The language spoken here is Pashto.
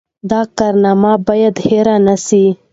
دا کارنامه باید هېره نه سي.